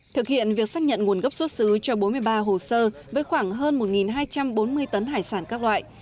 thực hiện việc xác nhận nguồn gốc xuất xứ cho bốn mươi ba hồ sơ với khoảng hơn một hai trăm bốn mươi tấn hải sản các loại